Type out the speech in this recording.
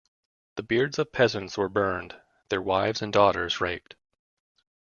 The beards of peasants were burned, their wives and daughters raped.